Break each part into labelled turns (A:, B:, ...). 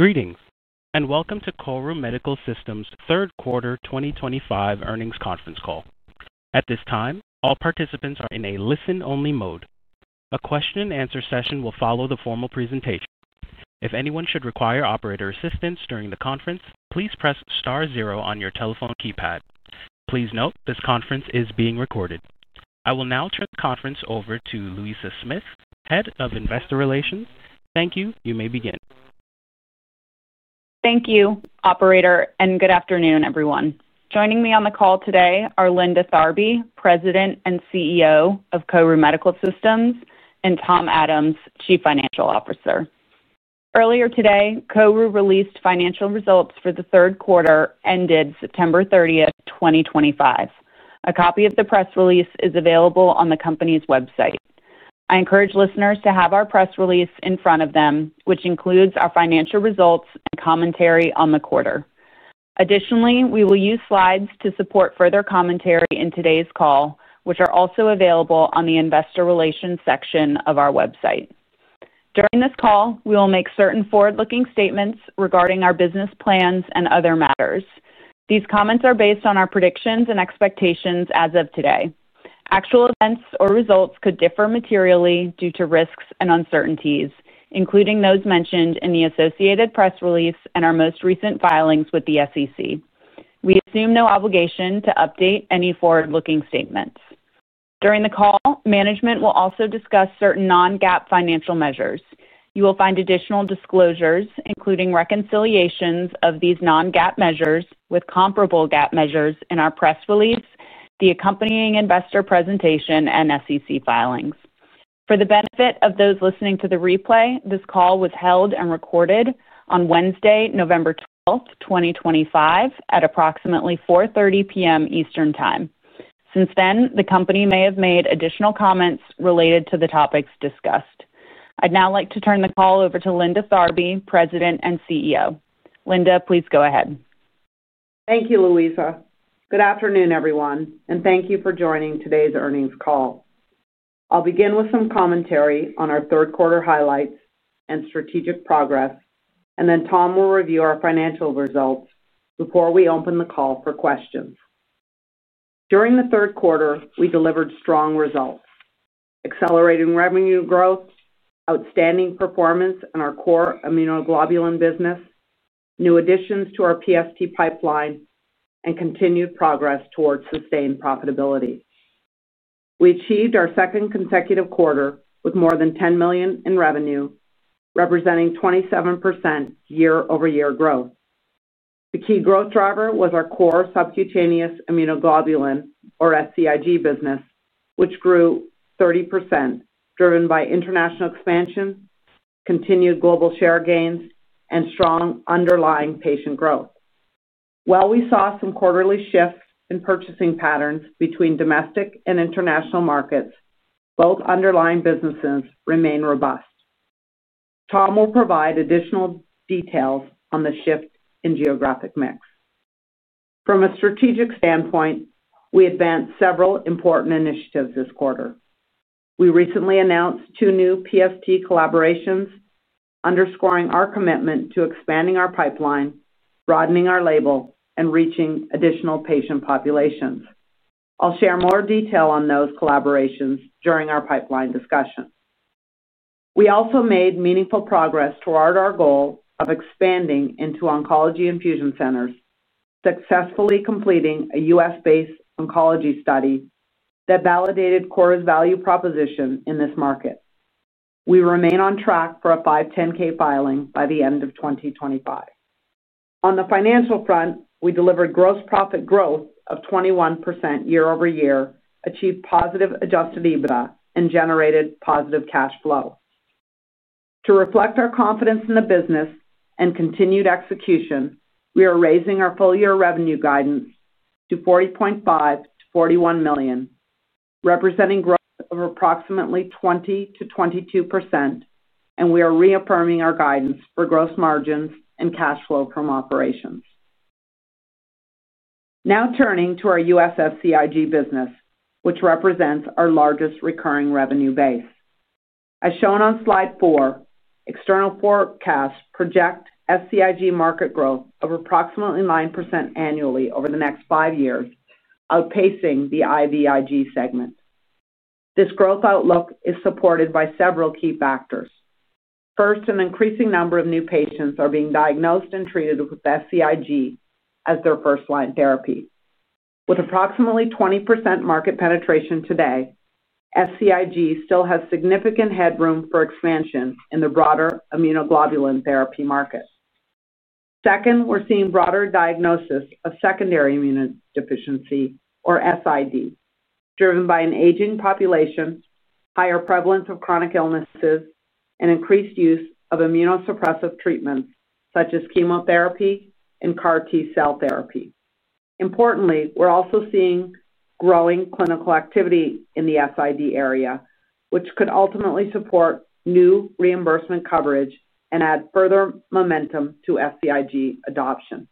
A: Greetings, and welcome to KORU Medical Systems' Q3 2025 earnings conference call. At this time, all participants are in a listen-only mode. A question-and-answer session will follow the formal presentation. If anyone should require operator assistance during the conference, please press star zero on your telephone keypad. Please note this conference is being recorded. I will now turn the conference over to Louisa Smith, Head of Investor Relations. Thank you. You may begin.
B: Thank you, Operator, and good afternoon, everyone. Joining me on the call today are Linda Tharby, President and CEO of KORU Medical Systems, and Tom Adams, Chief Financial Officer. Earlier today, KORU released financial results for the third quarter, ended September 30th, 2025. A copy of the press release is available on the company's website. I encourage listeners to have our press release in front of them, which includes our financial results and commentary on the quarter. Additionally, we will use slides to support further commentary in today's call, which are also available on the Investor Relations section of our website. During this call, we will make certain forward-looking statements regarding our business plans and other matters. These comments are based on our predictions and expectations as of today. Actual events or results could differ materially due to risks and uncertainties, including those mentioned in the associated press release and our most recent filings with the SEC. We assume no obligation to update any forward-looking statements. During the call, management will also discuss certain non-GAAP financial measures. You will find additional disclosures, including reconciliations of these non-GAAP measures with comparable GAAP measures in our press release, the accompanying investor presentation, and SEC filings. For the benefit of those listening to the replay, this call was held and recorded on Wednesday, November 12th, 2025, at approximately 4:30 P.M. Eastern Time. Since then, the company may have made additional comments related to the topics discussed. I'd now like to turn the call over to Linda Tharby, President and CEO. Linda, please go ahead.
C: Thank you, Louisa. Good afternoon, everyone, and thank you for joining today's earnings call. I'll begin with some commentary on our third quarter highlights and strategic progress, and then Tom will review our financial results before we open the call for questions. During third quarter, we delivered strong results: accelerating revenue growth, outstanding performance in our core immunoglobulin business, new additions to our PFT pipeline, and continued progress towards sustained profitability. We achieved our second consecutive quarter with more than $10 million in revenue, representing 27% year-over-year growth. The key growth driver was our core subcutaneous immunoglobulin, or SCIG, business, which grew 30%, driven by international expansion, continued global share gains, and strong underlying patient growth. While we saw some quarterly shifts in purchasing patterns between domestic and international markets, both underlying businesses remained robust. Tom will provide additional details on the shift in geographic mix. From a strategic standpoint, we advanced several important initiatives this quarter. We recently announced two new PFT collaborations, underscoring our commitment to expanding our pipeline, broadening our label, and reaching additional patient populations. I'll share more detail on those collaborations during our pipeline discussion. We also made meaningful progress toward our goal of expanding into oncology infusion centers, successfully completing a U.S.-based oncology study that validated KORU's value proposition in this market. We remain on track for a 510(k) filing by the end of 2025. On the financial front, we delivered gross profit growth of 21% year-over-year, achieved positive adjusted EBITDA, and generated positive cash flow. To reflect our confidence in the business and continued execution, we are raising our full-year revenue guidance to $40.5 million-$41 million, representing growth of approximately 20%-22%, and we are reaffirming our guidance for gross margins and cash flow from operations. Now turning to our U.S. SCIG business, which represents our largest recurring revenue base. As shown on slide 4, external forecasts project SCIG market growth of approximately 9% annually over the next five years, outpacing the IVIG segment. This growth outlook is supported by several key factors. First, an increasing number of new patients are being diagnosed and treated with SCIG as their first-line therapy. With approximately 20% market penetration today, SCIG still has significant headroom for expansion in the broader immunoglobulin therapy market. Second, we're seeing broader diagnosis of secondary immunodeficiency, or SID, driven by an aging population, higher prevalence of chronic illnesses, and increased use of immunosuppressive treatments such as chemotherapy and CAR T-cell therapy. Importantly, we're also seeing growing clinical activity in the SID area, which could ultimately support new reimbursement coverage and add further momentum to SCIG adoption.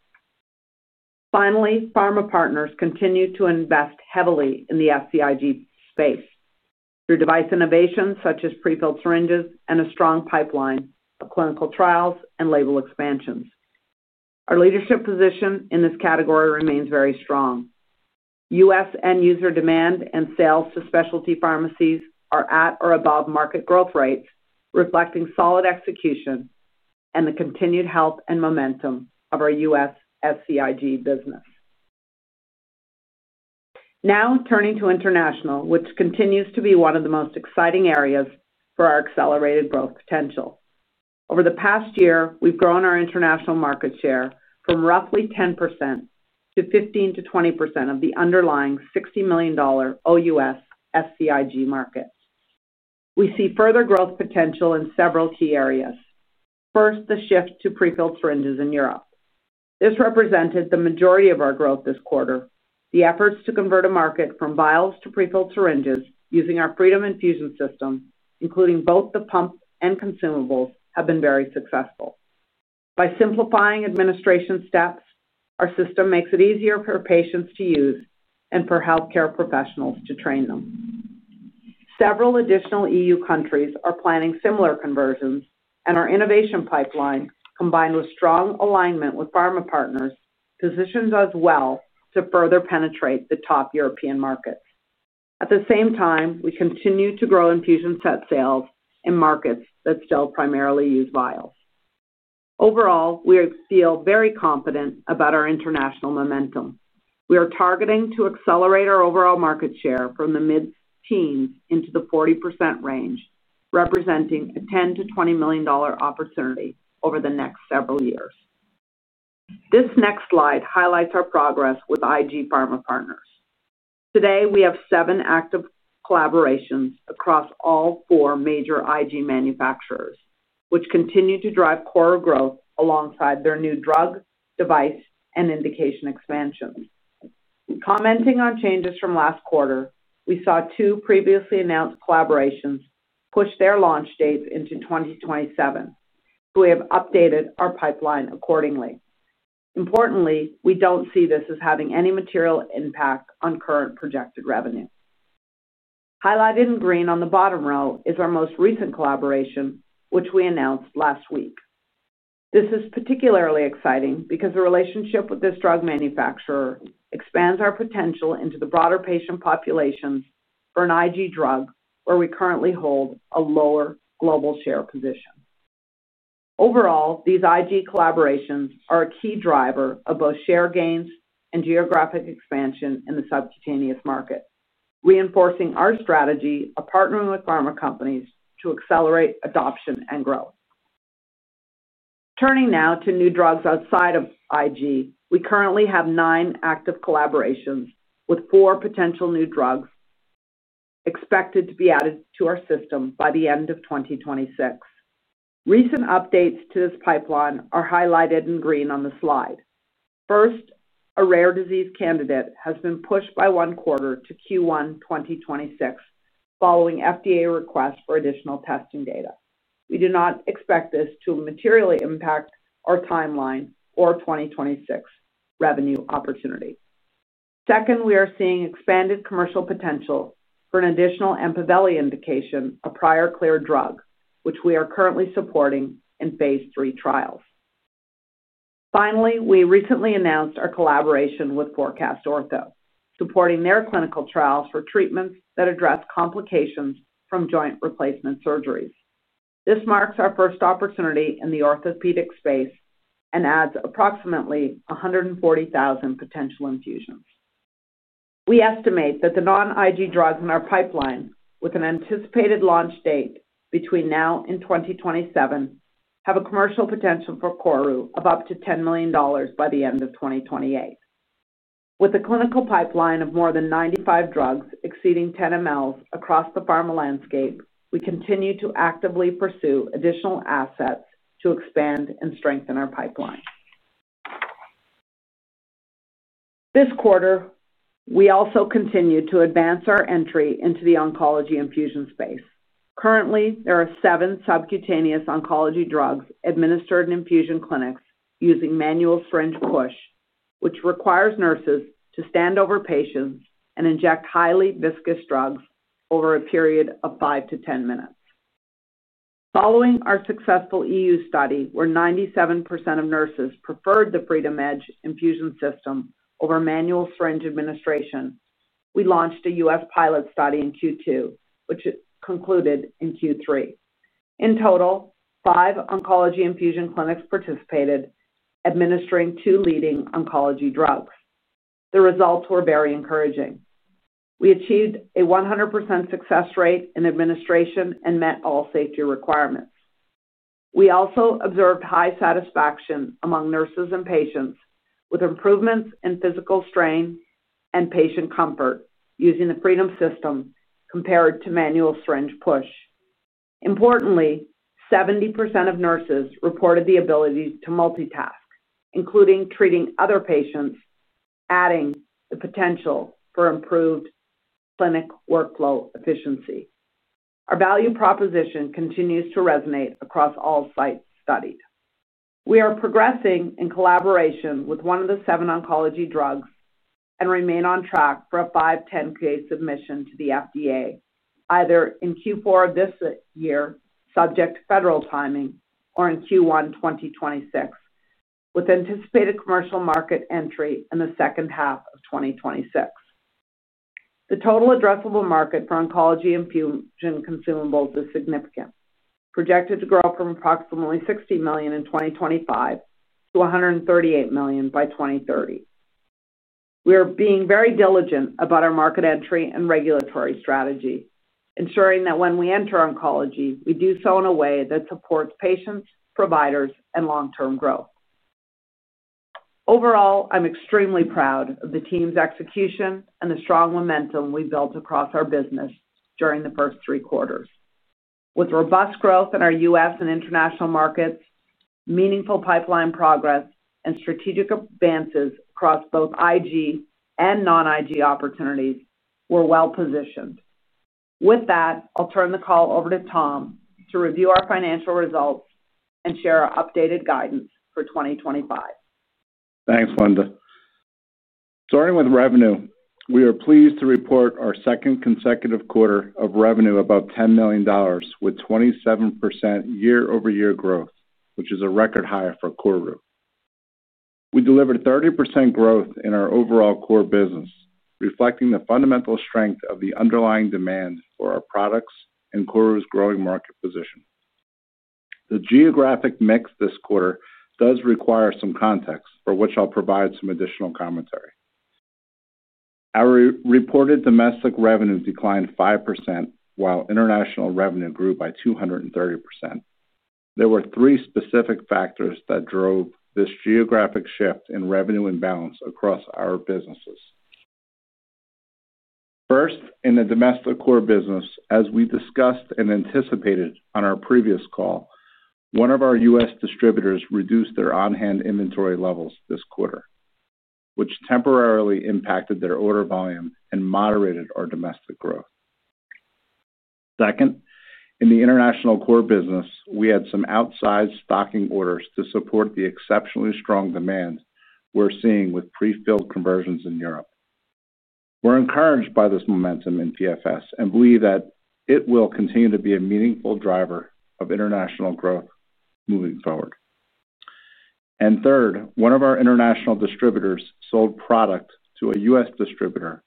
C: Finally, pharma partners continue to invest heavily in the SCIG space through device innovations such as prefilled syringes and a strong pipeline of clinical trials and label expansions. Our leadership position in this category remains very strong. U.S. end-user demand and sales to specialty pharmacies are at or above market growth rates, reflecting solid execution and the continued health and momentum of our U.S. SCIG business. Now turning to international, which continues to be one of the most exciting areas for our accelerated growth potential. Over the past year, we've grown our international market share from roughly 10% to 15%-20% of the underlying $60 million OUS SCIG market. We see further growth potential in several key areas. First, the shift to prefilled syringes in Europe. This represented the majority of our growth this quarter. The efforts to convert a market from vials to prefilled syringes using our Freedom Infusion System, including both the pump and consumables, have been very successful. By simplifying administration steps, our system makes it easier for patients to use and for healthcare professionals to train them. Several additional EU countries are planning similar conversions, and our innovation pipeline, combined with strong alignment with pharma partners, positions us well to further penetrate the top European markets. At the same time, we continue to grow infusion set sales in markets that still primarily use vials. Overall, we feel very confident about our international momentum. We are targeting to accelerate our overall market share from the mid-teens into the 40% range, representing a $10 million-$20 million opportunity over the next several years. This next slide highlights our progress with IG pharma partners. Today, we have seven active collaborations across all four major IG manufacturers, which continue to drive KORU growth alongside their new drug, device, and indication expansions. Commenting on changes from last quarter, we saw two previously announced collaborations push their launch dates into 2027, so we have updated our pipeline accordingly. Importantly, we do not see this as having any material impact on current projected revenue. Highlighted in green on the bottom row is our most recent collaboration, which we announced last week. This is particularly exciting because the relationship with this drug manufacturer expands our potential into the broader patient populations for an IG drug where we currently hold a lower global share position. Overall, these IG collaborations are a key driver of both share gains and geographic expansion in the subcutaneous market, reinforcing our strategy of partnering with pharma companies to accelerate adoption and growth. Turning now to new drugs outside of IG, we currently have nine active collaborations with four potential new drugs expected to be added to our system by the end of 2026. Recent updates to this pipeline are highlighted in green on the slide. First, a rare disease candidate has been pushed by one quarter to Q1 2026, following FDA request for additional testing data. We do not expect this to materially impact our timeline or 2026 revenue opportunity. Second, we are seeing expanded commercial potential for an additional Empaveli indication, a prior clear drug, which we are currently supporting in phase three trials. Finally, we recently announced our collaboration with ForCast Ortho supporting their clinical trials for treatments that address complications from joint replacement surgeries. This marks our first opportunity in the orthopedic space and adds approximately 140,000 potential infusions. We estimate that the non-IG drugs in our pipeline, with an anticipated launch date between now and 2027, have a commercial potential for KORU of up to $10 million by the end of 2028. With a clinical pipeline of more than 95 drugs exceeding 10 mL across the pharma landscape, we continue to actively pursue additional assets to expand and strengthen our pipeline. This quarter, we also continue to advance our entry into the oncology infusion space. Currently, there are seven subcutaneous oncology drugs administered in infusion clinics using manual syringe push, which requires nurses to stand over patients and inject highly viscous drugs over a period of 5-10 minutes. Following our successful EU study, where 97% of nurses preferred the Freedom Edge Infusion System over manual syringe administration, we launched a U.S. pilot study in Q2, which concluded in Q3. In total, five oncology infusion clinics participated, administering two leading oncology drugs. The results were very encouraging. We achieved a 100% success rate in administration and met all safety requirements. We also observed high satisfaction among nurses and patients with improvements in physical strain and patient comfort using the Freedom System compared to manual syringe push. Importantly, 70% of nurses reported the ability to multitask, including treating other patients, adding the potential for improved clinic workflow efficiency. Our value proposition continues to resonate across all sites studied. We are progressing in collaboration with one of the seven oncology drugs and remain on track for a 510(k) submission to the FDA, either in Q4 of this year, subject to federal timing, or in Q1 2026, with anticipated commercial market entry in the second half of 2026. The total addressable market for oncology infusion consumables is significant, projected to grow from approximately $60 million in 2025 to $138 million by 2030. We are being very diligent about our market entry and regulatory strategy, ensuring that when we enter oncology, we do so in a way that supports patients, providers, and long-term growth. Overall, I'm extremely proud of the team's execution and the strong momentum we built across our business during the first three quarters. With robust growth in our U.S. and international markets, meaningful pipeline progress, and strategic advances across both IG and non-IG opportunities, we're well positioned. With that, I'll turn the call over to Tom to review our financial results and share our updated guidance for 2025.
D: Thanks, Linda. Starting with revenue, we are pleased to report our second consecutive quarter of revenue above $10 million, with 27% year-over-year growth, which is a record high for KORU. We delivered 30% growth in our overall KORU business, reflecting the fundamental strength of the underlying demand for our products and KORU's growing market position. The geographic mix this quarter does require some context, for which I'll provide some additional commentary. Our reported domestic revenue declined 5%, while international revenue grew by 230%. There were three specific factors that drove this geographic shift in revenue imbalance across our businesses. First, in the domestic KORU business, as we discussed and anticipated on our previous call, one of our U.S. distributors reduced their on-hand inventory levels this quarter, which temporarily impacted their order volume and moderated our domestic growth. Second, in the international KORU business, we had some outsized stocking orders to support the exceptionally strong demand we're seeing with prefilled conversions in Europe. We're encouraged by this momentum in PFS and believe that it will continue to be a meaningful driver of international growth moving forward. Third, one of our international distributors sold product to a U.S. distributor,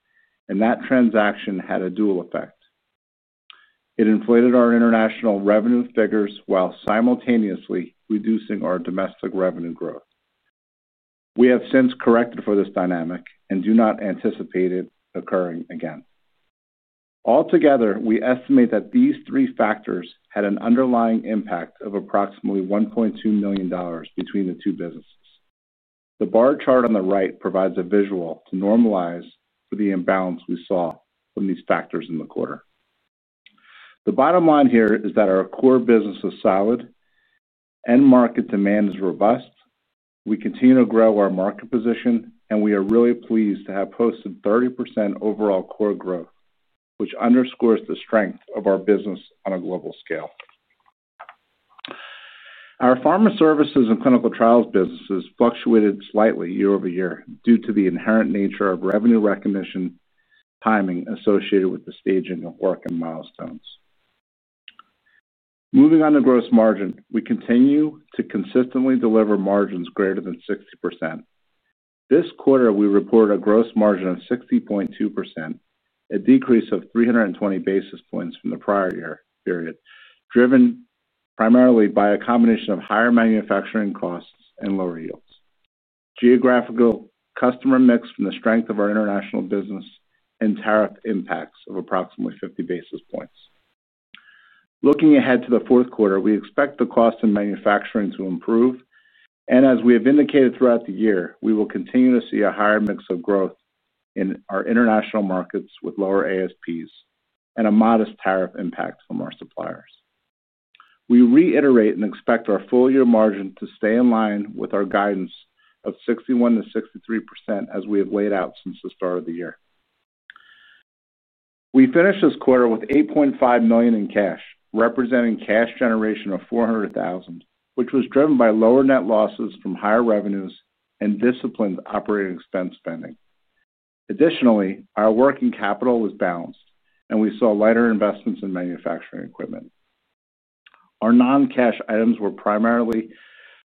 D: and that transaction had a dual effect. It inflated our international revenue figures while simultaneously reducing our domestic revenue growth. We have since corrected for this dynamic and do not anticipate it occurring again. Altogether, we estimate that these three factors had an underlying impact of approximately $1.2 million between the two businesses. The bar chart on the right provides a visual to normalize for the imbalance we saw from these factors in the quarter. The bottom line here is that our KORU business is solid, and market demand is robust. We continue to grow our market position, and we are really pleased to have posted 30% overall KORU growth, which underscores the strength of our business on a global scale. Our pharma services and clinical trials businesses fluctuated slightly year-over-year due to the inherent nature of revenue recognition timing associated with the staging of work and milestones. Moving on to gross margin, we continue to consistently deliver margins greater than 60%. This quarter, we reported a gross margin of 60.2%, a decrease of 320 basis points from the prior year, driven primarily by a combination of higher manufacturing costs and lower yields, geographical customer mix from the strength of our international business, and tariff impacts of approximately 50 basis points. Looking ahead to the fourth quarter, we expect the cost of manufacturing to improve, and as we have indicated throughout the year, we will continue to see a higher mix of growth in our international markets with lower ASPs and a modest tariff impact from our suppliers. We reiterate and expect our full-year margin to stay in line with our guidance of 61%-63% as we have laid out since the start of the year. We finished this quarter with $8.5 million in cash, representing cash generation of $400,000, which was driven by lower net losses from higher revenues and disciplined operating expense spending. Additionally, our working capital was balanced, and we saw lighter investments in manufacturing equipment. Our non-cash items were primarily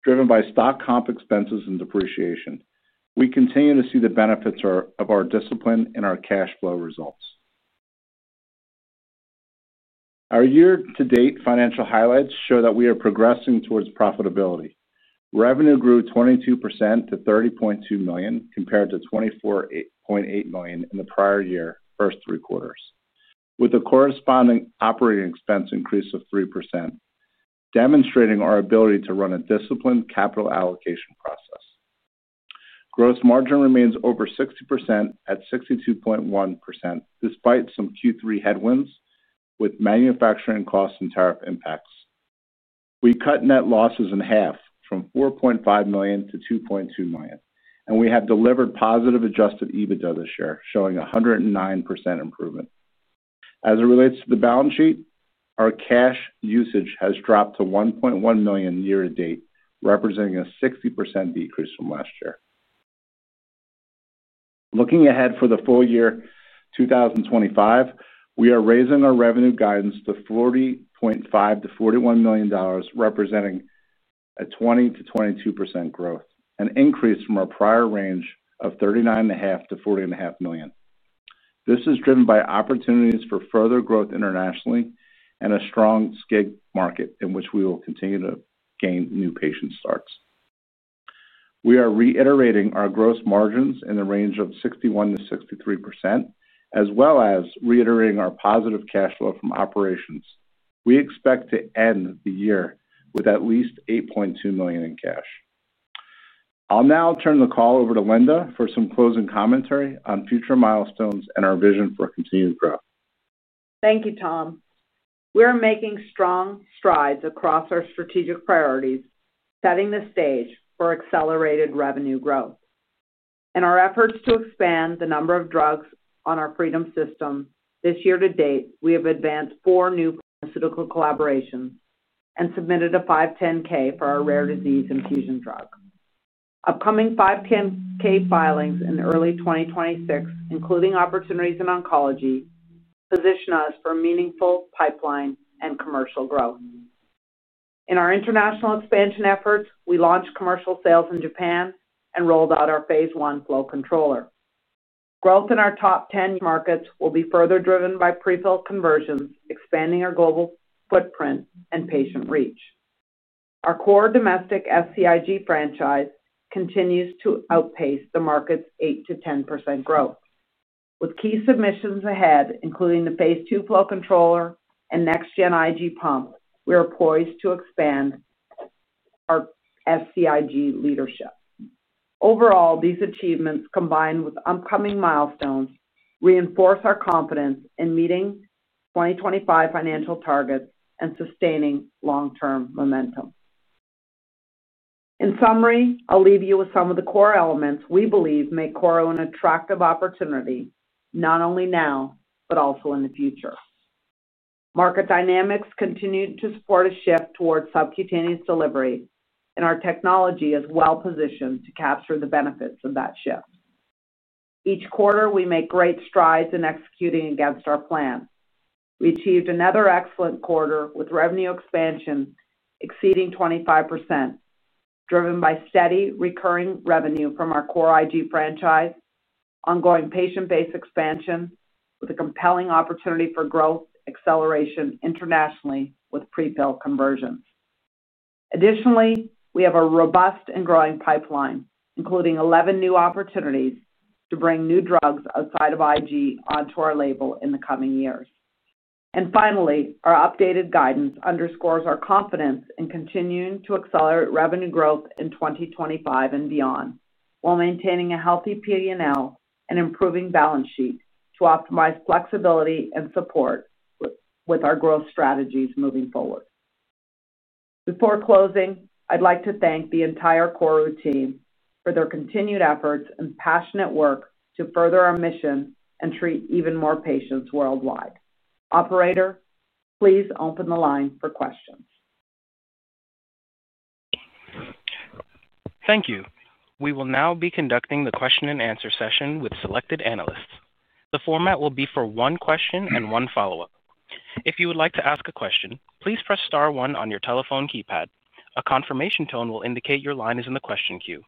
D: driven by stock comp expenses and depreciation. We continue to see the benefits of our discipline in our cash flow results. Our year-to-date financial highlights show that we are progressing towards profitability. Revenue grew 22% to $30.2 million compared to $24.8 million in the prior year's first three quarters, with a corresponding operating expense increase of 3%, demonstrating our ability to run a disciplined capital allocation process. Gross margin remains over 60% at 62.1%, despite some Q3 headwinds with manufacturing costs and tariff impacts. We cut net losses in half from $4.5 million to $2.2 million, and we have delivered positive adjusted EBITDA this year, showing a 109% improvement. As it relates to the balance sheet, our cash usage has dropped to $1.1 million year-to-date, representing a 60% decrease from last year. Looking ahead for the full year 2025, we are raising our revenue guidance to $40.5 million-$41 million, representing 20%-22% growth, an increase from our prior range of $39.5 million-$40.5 million. This is driven by opportunities for further growth internationally and a strong SCIG market in which we will continue to gain new patient starts. We are reiterating our gross margins in the range of 61%-63%, as well as reiterating our positive cash flow from operations. We expect to end the year with at least $8.2 million in cash. I'll now turn the call over to Linda for some closing commentary on future milestones and our vision for continued growth.
C: Thank you, Tom. We are making strong strides across our strategic priorities, setting the stage for accelerated revenue growth. In our efforts to expand the number of drugs on our Freedom System, this year to date, we have advanced four new pharmaceutical collaborations and submitted a 510(k) for our rare disease infusion drug. Upcoming 510(k) filings in early 2026, including opportunities in oncology, position us for meaningful pipeline and commercial growth. In our international expansion efforts, we launched commercial sales in Japan and rolled out our phase one flow controller. Growth in our top 10 markets will be further driven by prefilled conversions, expanding our global footprint and patient reach. Our KORU domestic SCIG franchise continues to outpace the market's 8-10% growth. With key submissions ahead, including the phase two flow controller and next-gen IG pump, we are poised to expand our SCIG leadership. Overall, these achievements, combined with upcoming milestones, reinforce our confidence in meeting 2025 financial targets and sustaining long-term momentum. In summary, I'll leave you with some of the core elements we believe make KORU an attractive opportunity not only now, but also in the future. Market dynamics continue to support a shift towards subcutaneous delivery, and our technology is well positioned to capture the benefits of that shift. Each quarter, we make great strides in executing against our plan. We achieved another excellent quarter with revenue expansion exceeding 25%, driven by steady recurring revenue from our KORU IG franchise, ongoing patient-based expansion, with a compelling opportunity for growth acceleration internationally with prefilled conversions. Additionally, we have a robust and growing pipeline, including 11 new opportunities to bring new drugs outside of IG onto our label in the coming years. Finally, our updated guidance underscores our confidence in continuing to accelerate revenue growth in 2025 and beyond, while maintaining a healthy P&L and improving balance sheet to optimize flexibility and support with our growth strategies moving forward. Before closing, I'd like to thank the entire KORU team for their continued efforts and passionate work to further our mission and treat even more patients worldwide. Operator, please open the line for questions.
A: Thank you. We will now be conducting the question-and-answer session with selected analysts. The format will be for one question and one follow-up. If you would like to ask a question, please press star one on your telephone keypad. A confirmation tone will indicate your line is in the question queue.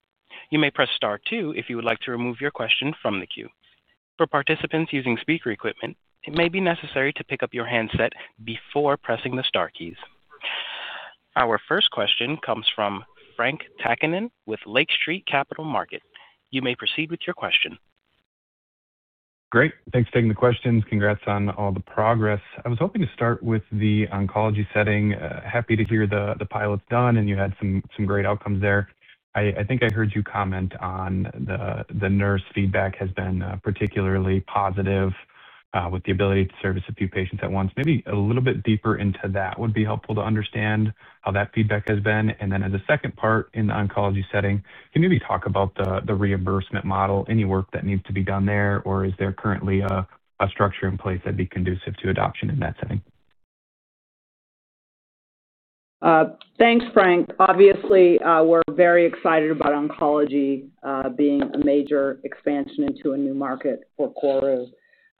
A: You may press star two if you would like to remove your question from the queue. For participants using speaker equipment, it may be necessary to pick up your handset before pressing the star keys. Our first question comes from Frank Takkinen with Lake Street Capital Markets. You may proceed with your question.
E: Great. Thanks for taking the questions. Congrats on all the progress. I was hoping to start with the oncology setting. Happy to hear the pilot's done, and you had some great outcomes there. I think I heard you comment on the nurse feedback has been particularly positive, with the ability to service a few patients at once. Maybe a little bit deeper into that would be helpful to understand how that feedback has been. As a second part in the oncology setting, can you maybe talk about the reimbursement model, any work that needs to be done there, or is there currently a structure in place that'd be conducive to adoption in that setting?
C: Thanks, Frank. Obviously, we're very excited about oncology being a major expansion into a new market for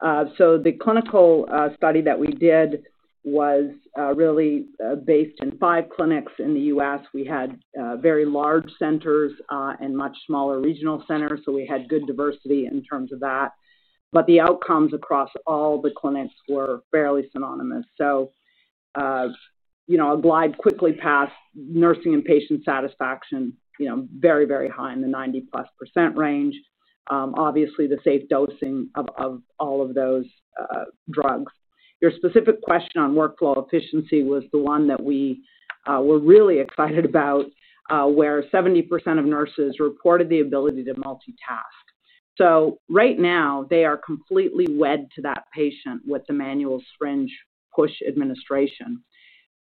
C: KORU. The clinical study that we did was really based in five clinics in the U.S. We had very large centers and much smaller regional centers, so we had good diversity in terms of that. The outcomes across all the clinics were fairly synonymous. I'll glide quickly past nursing and patient satisfaction, very, very high in the 90%+ range, obviously the safe dosing of all of those drugs. Your specific question on workflow efficiency was the one that we were really excited about, where 70% of nurses reported the ability to multitask. Right now, they are completely wed to that patient with the manual syringe push administration.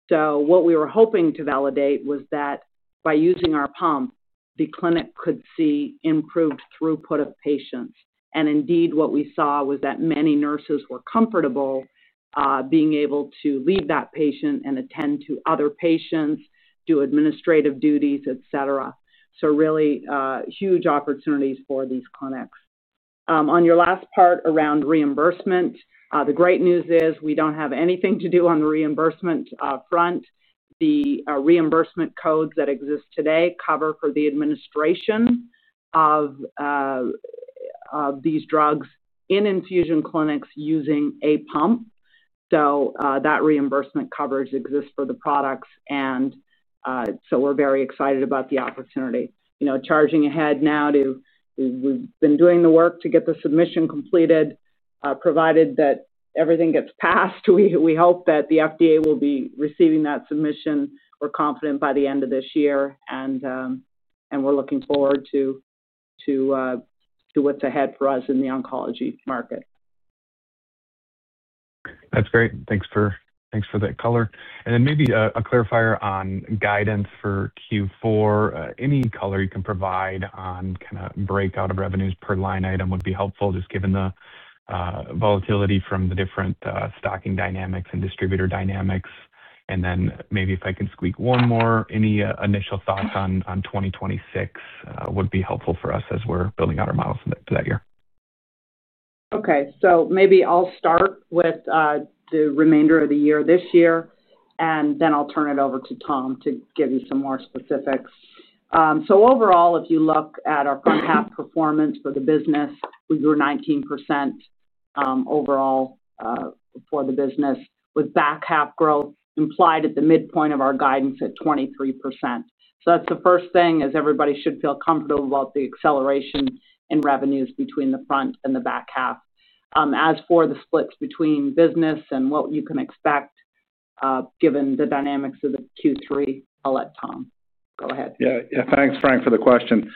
C: What we were hoping to validate was that by using our pump, the clinic could see improved throughput of patients. Indeed, what we saw was that many nurses were comfortable being able to leave that patient and attend to other patients, do administrative duties, etc. Really huge opportunities for these clinics. On your last part around reimbursement, the great news is we do not have anything to do on the reimbursement front. The reimbursement codes that exist today cover for the administration of these drugs in infusion clinics using a pump. That reimbursement coverage exists for the products. We are very excited about the opportunity. Charging ahead now, we have been doing the work to get the submission completed. Provided that everything gets passed, we hope that the FDA will be receiving that submission. We are confident by the end of this year, and we are looking forward to what is ahead for us in the oncology market.
E: That is great. Thanks for that color. Maybe a clarifier on guidance for Q4. Any color you can provide on kind of breakout of revenues per line item would be helpful, just given the volatility from the different stocking dynamics and distributor dynamics. Maybe if I can squeak one more, any initial thoughts on 2026 would be helpful for us as we're building out our models for that year.
C: Okay. Maybe I'll start with the remainder of the year this year, and then I'll turn it over to Tom to give you some more specifics. Overall, if you look at our front half performance for the business, we grew 19% overall for the business, with back half growth implied at the midpoint of our guidance at 23%. The first thing is everybody should feel comfortable about the acceleration in revenues between the front and the back half. As for the splits between business and what you can expect, given the dynamics of the Q3, I'll let Tom go ahead.
D: Yeah. Thanks, Frank, for the question.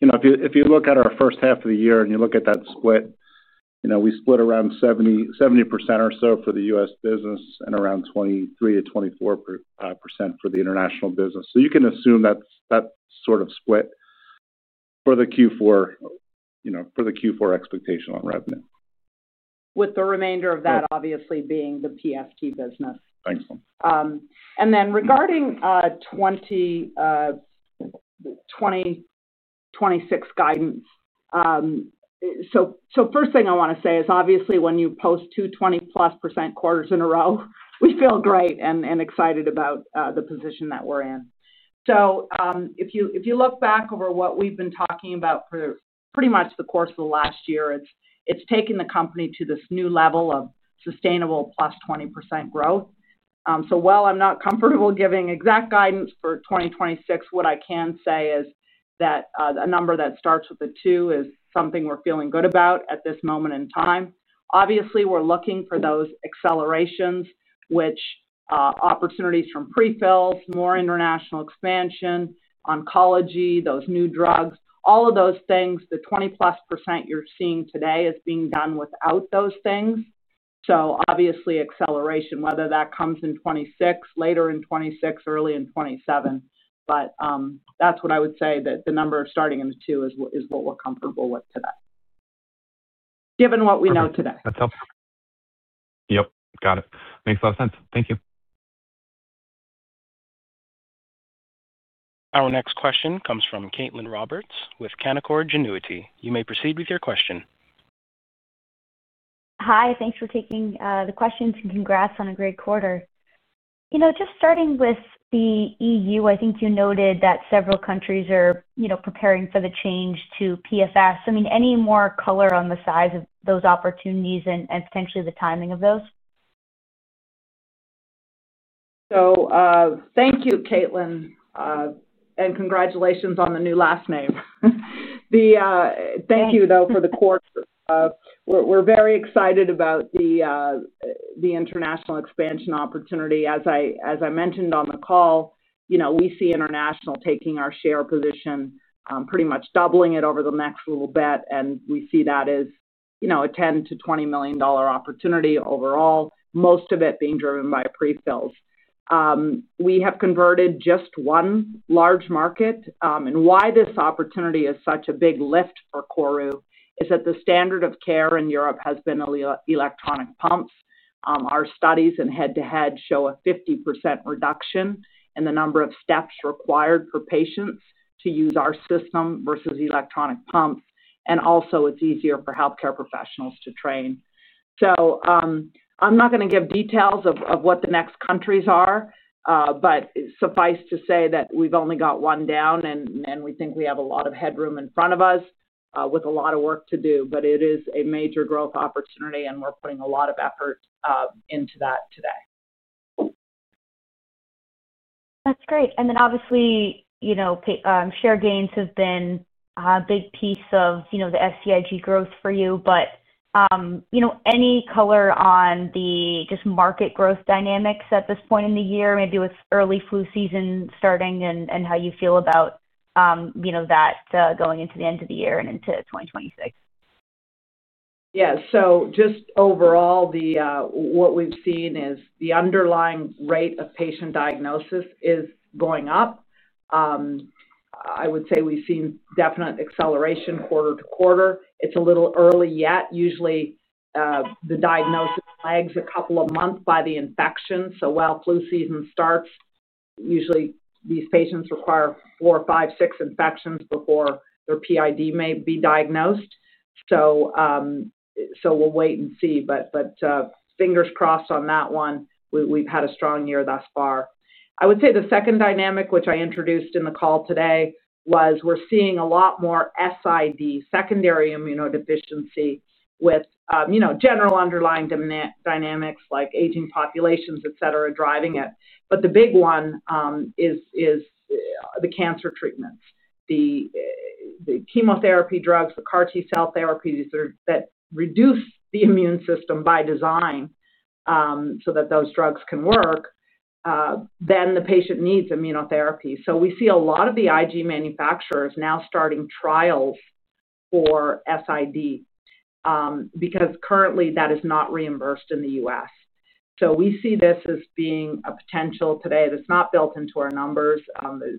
D: If you look at our first half of the year and you look at that split, we split around 70% or so for the U.S. business and around 23%-24% for the international business. You can assume that's that sort of split for the Q4 expectation on revenue,
C: With the remainder of that obviously being the PFT business.
D: Thanks.
C: Then regarding 2026 guidance, first thing I want to say is obviously when you post two 20%+ quarters in a row, we feel great and excited about the position that we're in. If you look back over what we've been talking about for pretty much the course of the last year, it's taken the company to this new level of sustainable 20%+ growth. So while I'm not comfortable giving exact guidance for 2026, what I can say is that a number that starts with a two is something we're feeling good about at this moment in time. Obviously, we're looking for those accelerations, which opportunities from prefills, more international expansion, oncology, those new drugs, all of those things, the 20%+ you're seeing today is being done without those things. Obviously, acceleration, whether that comes in 2026, later in 2026, early in 2027. That's what I would say, that the number starting in a two is what we're comfortable with today, given what we know today.
E: That's helpful. Yep. Got it. Makes a lot of sense. Thank you. Our next question comes from Caitlin Roberts with Canaccord Genuity. You may proceed with your question.
F: Hi. Thanks for taking the question and congrats on a great quarter. Just starting with the EU, I think you noted that several countries are preparing for the change to PFS. I mean, any more color on the size of those opportunities and potentially the timing of those?
C: Thank you, Caitlin, and congratulations on the new last name. Thank you, though, for the quarter. We're very excited about the international expansion opportunity. As I mentioned on the call, we see international taking our share position, pretty much doubling it over the next little bit, and we see that as a $10 million-$20 million opportunity overall, most of it being driven by prefills. We have converted just one large market. Why this opportunity is such a big lift for KORU is that the standard of care in Europe has been electronic pumps. Our studies and head-to-head show a 50% reduction in the number of steps required for patients to use our system versus electronic pumps. It is also easier for healthcare professionals to train. I'm not going to give details of what the next countries are, but suffice to say that we've only got one down, and we think we have a lot of headroom in front of us with a lot of work to do. It is a major growth opportunity, and we're putting a lot of effort into that today.
F: That's great. Obviously, share gains have been a big piece of the SCIG growth for you. Any color on the just market growth dynamics at this point in the year, maybe with early flu season starting and how you feel about that going into the end of the year and into 2026?
C: Yeah. Just overall, what we've seen is the underlying rate of patient diagnosis is going up. I would say we've seen definite acceleration quarter to quarter. It's a little early yet. Usually, the diagnosis lags a couple of months by the infection. While flu season starts, usually these patients require four, five, six infections before their PID may be diagnosed. We'll wait and see. Fingers crossed on that one. We've had a strong year thus far. I would say the second dynamic, which I introduced in the call today, was we're seeing a lot more SID, secondary immunodeficiency, with general underlying dynamics like aging populations, etc., driving it. The big one is the cancer treatments, the chemotherapy drugs, the CAR T-cell therapies that reduce the immune system by design so that those drugs can work. The patient needs immunotherapy. We see a lot of the IG manufacturers now starting trials for SID because currently that is not reimbursed in the U.S. We see this as being a potential today that is not built into our numbers.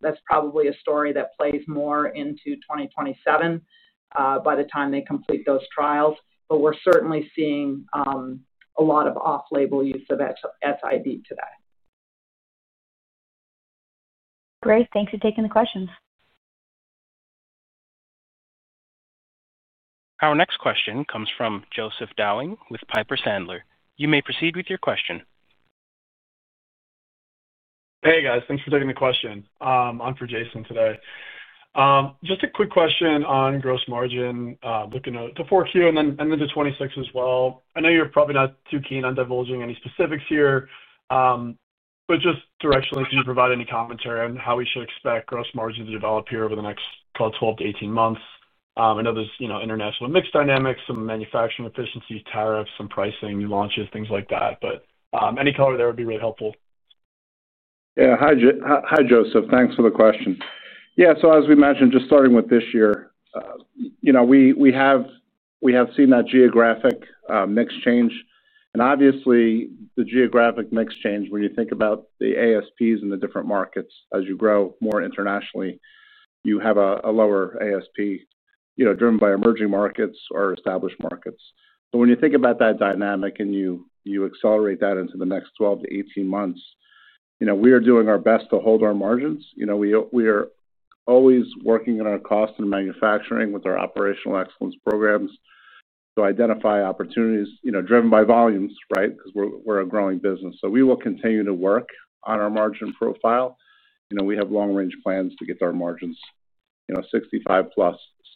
C: That is probably a story that plays more into 2027 by the time they complete those trials. We are certainly seeing a lot of off-label use of SID today.
F: Great. Thanks for taking the questions.
A: Our next question comes from Joseph Downing with Piper Sandler. You may proceed with your question.
G: Hey, guys. Thanks for taking the question. I am for Jason today. Just a quick question on gross margin. Looking at the four Q and then the 2026 as well.
C: I know you're probably not too keen on divulging any specifics here, but just directionally, can you provide any commentary on how we should expect gross margins to develop here over the next 12-18 months? I know there's international mix dynamics, some manufacturing efficiencies, tariffs, some pricing, new launches, things like that. Any color there would be really helpful.
D: Yeah. Hi, Joseph. Thanks for the question. Yeah. As we mentioned, just starting with this year, we have seen that geographic mix change. Obviously, the geographic mix change, when you think about the ASPs and the different markets, as you grow more internationally, you have a lower ASP driven by emerging markets or established markets. When you think about that dynamic and you accelerate that into the next 12-18 months, we are doing our best to hold our margins. We are always working on our cost and manufacturing with our operational excellence programs to identify opportunities driven by volumes, right, because we're a growing business. We will continue to work on our margin profile. We have long-range plans to get our margins 65%+.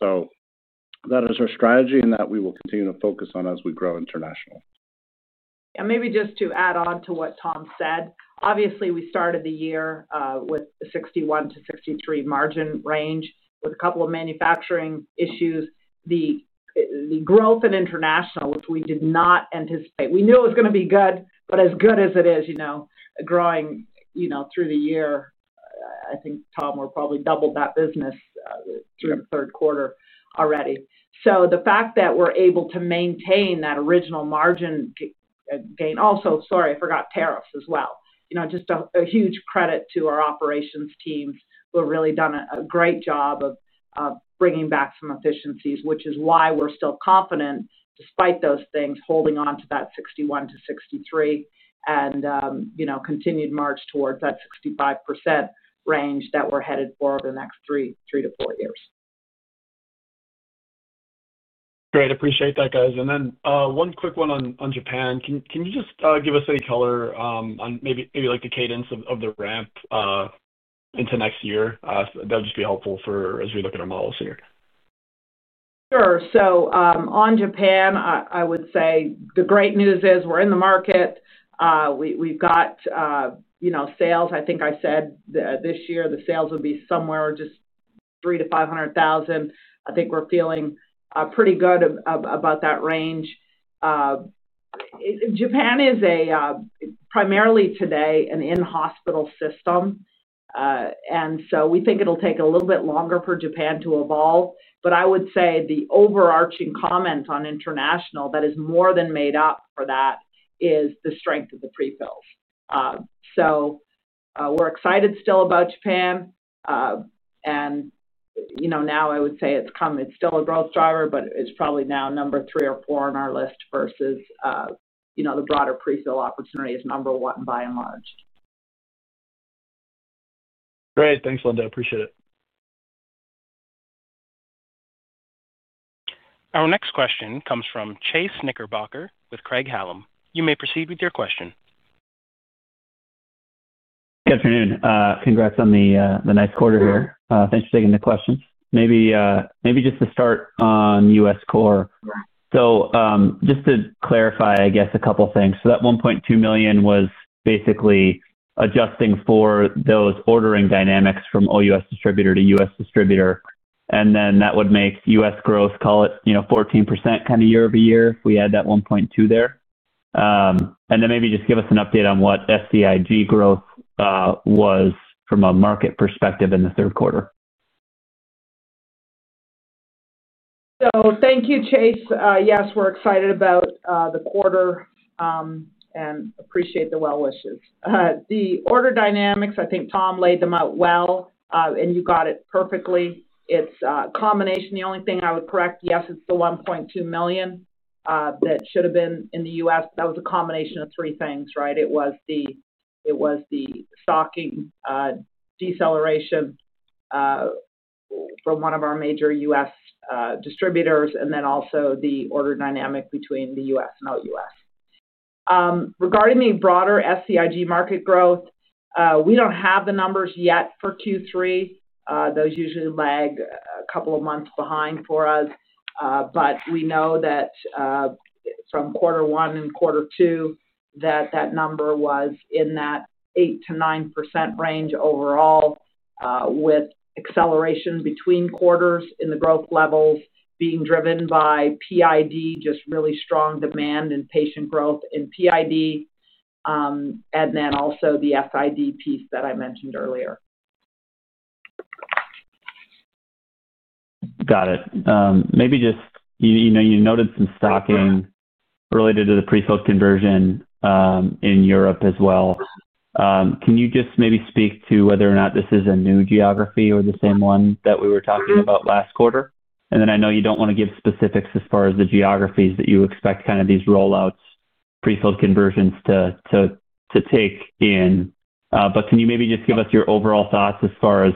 D: That is our strategy and that we will continue to focus on as we grow internationally.
C: Maybe just to add on to what Tom said, obviously, we started the year with a 61%-63% margin range with a couple of manufacturing issues. The growth in international, which we did not anticipate, we knew it was going to be good, but as good as it is, growing through the year, I think Tom, we're probably double that business through the third quarter already. The fact that we're able to maintain that original margin gain, also, sorry, I forgot tariffs as well. Just a huge credit to our operations team. We've really done a great job of bringing back some efficiencies, which is why we're still confident, despite those things, holding on to that 61%-63% and continued march towards that 65% range that we're headed for over the next three to four years.
G: Great. Appreciate that, guys. One quick one on Japan. Can you just give us any color on maybe the cadence of the ramp into next year? That would just be helpful as we look at our models here.
C: Sure. On Japan, I would say the great news is we're in the market. We've got sales. I think I said this year the sales would be somewhere just $300,000-$500,000. I think we're feeling pretty good about that range. Japan is primarily today an in-hospital system. We think it'll take a little bit longer for Japan to evolve. I would say the overarching comment on international that is more than made up for that is the strength of the prefills. We're excited still about Japan. I would say it's still a growth driver, but it's probably now number three or four on our list versus the broader prefill opportunity is number one by and large.
G: Great. Thanks, Linda. Appreciate it.
A: Our next question comes from Chase Knickerbocker with Craig-Hallum. You may proceed with your question.
H: Good afternoon. Congrats on the next quarter here. Thanks for taking the questions. Maybe just to start on U.S. Corps. Just to clarify, I guess, a couple of things. That $1.2 million was basically adjusting for those ordering dynamics from OUS distributor to U.S. distributor. That would make U.S. Growth, call it 14% kind of year-over-year if we add that $1.2 million there. Maybe just give us an update on what SCIG growth was from a market perspective in the third quarter.
C: Thank you, Chase. Yes, we're excited about the quarter and appreciate the well wishes. The order dynamics, I think Tom laid them out well, and you got it perfectly. It's a combination. The only thing I would correct, yes, it's the $1.2 million that should have been in the U.S. That was a combination of three things, right? It was the stocking deceleration from one of our major U.S. distributors and then also the order dynamic between the U.S. and OUS. Regarding the broader SCIG market growth, we don't have the numbers yet for Q3. Those usually lag a couple of months behind for us. We know that from quarter one and quarter two that number was in that 8%-9% range overall, with acceleration between quarters in the growth levels being driven by PID, just really strong demand and patient growth in PID, and then also the SID piece that I mentioned earlier.
H: Got it. Maybe just, you noted some stocking related to the prefilled conversion in Europe as well. Can you just maybe speak to whether or not this is a new geography or the same one that we were talking about last quarter? I know you do not want to give specifics as far as the geographies that you expect kind of these rollouts, prefilled conversions to take in. Can you maybe just give us your overall thoughts as far as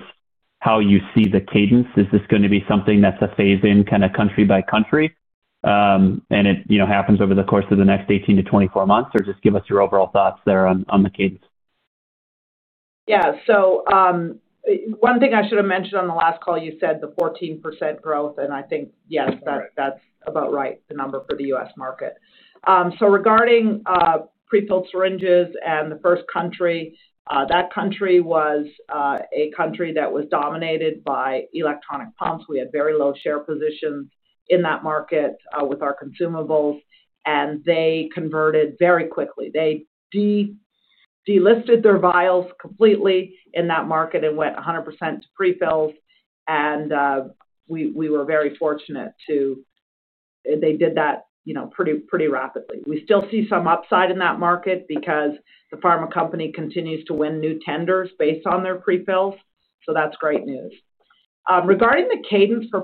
H: how you see the cadence? Is this going to be something that's a phase-in kind of country by country? And it happens over the course of the next 18-24 months? Or just give us your overall thoughts there on the cadence.
C: Yeah. One thing I should have mentioned on the last call, you said the 14% growth. I think, yes, that's about right, the number for the U.S. market. Regarding prefilled syringes and the first country, that country was a country that was dominated by electronic pumps. We had very low share positions in that market with our consumables. They converted very quickly. They delisted their vials completely in that market and went 100% to prefills. We were very fortunate they did that pretty rapidly. We still see some upside in that market because the pharma company continues to win new tenders based on their prefills. That's great news. Regarding the cadence for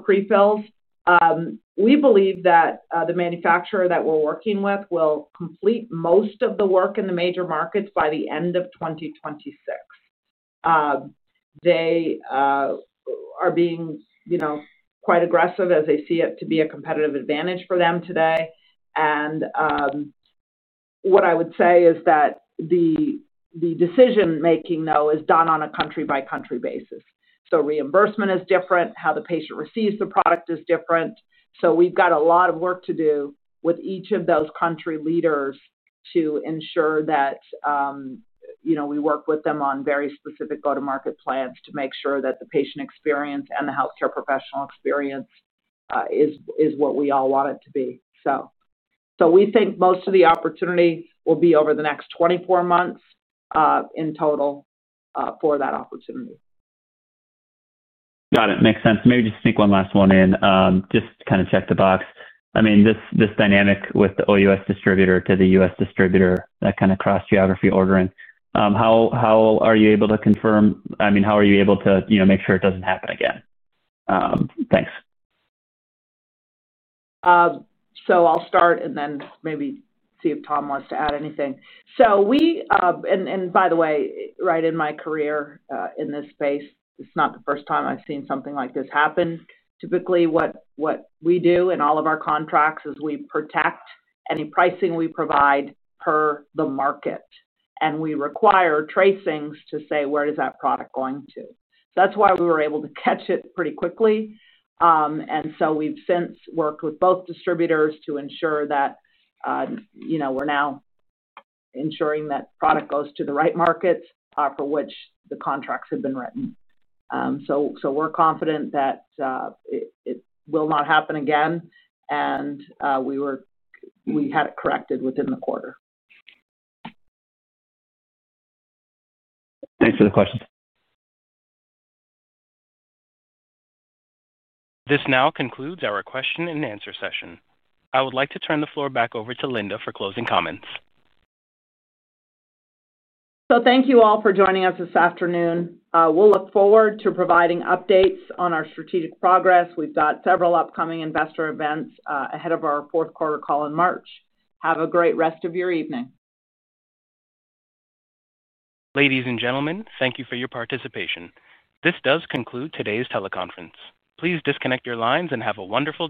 C: prefills, we believe that the manufacturer that we're working with will complete most of the work in the major markets by the end of 2026. They are being quite aggressive as they see it to be a competitive advantage for them today. What I would say is that the decision-making, though, is done on a country-by-country basis. Reimbursement is different. How the patient receives the product is different. We've got a lot of work to do with each of those country leaders to ensure that we work with them on very specific go-to-market plans to make sure that the patient experience and the healthcare professional experience is what we all want it to be. We think most of the opportunity will be over the next 24 months in total for that opportunity.
H: Got it. Makes sense. Maybe just to sneak one last one in, just to kind of check the box. I mean, this dynamic with the OUS distributor to the U.S. distributor, that kind of cross-geography ordering, how are you able to confirm? I mean, how are you able to make sure it doesn't happen again? Thanks.
C: I'll start and then maybe see if Tom wants to add anything. By the way, in my career in this space, it's not the first time I've seen something like this happen. Typically, what we do in all of our contracts is we protect any pricing we provide per the market. We require tracings to say where is that product going to. That's why we were able to catch it pretty quickly. We have since worked with both distributors to ensure that we are now ensuring that product goes to the right markets for which the contracts have been written. We are confident that it will not happen again. We had it corrected within the quarter.
H: Thanks for the questions.
A: This now concludes our question-and-answer session. I would like to turn the floor back over to Linda for closing comments.
C: Thank you all for joining us this afternoon. We look forward to providing updates on our strategic progress. We have several upcoming investor events ahead of our fourth quarter call in March. Have a great rest of your evening.
A: Ladies and gentlemen, thank you for your participation. This does conclude today's teleconference. Please disconnect your lines and have a wonderful evening.